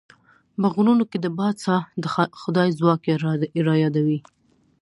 په غرونو کې د باد ساه د خدای ځواک رايادوي.